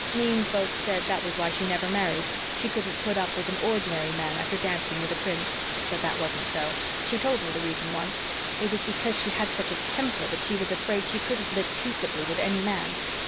Mean folks said that was why she never married she couldn't put up with an ordinary man after dancing with a prince. But that wasn't so. She told me the reason once it was because she had such a temper that she was afraid she couldn't live peaceably with any man.